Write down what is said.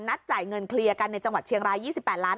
จ่ายเงินเคลียร์กันในจังหวัดเชียงราย๒๘ล้าน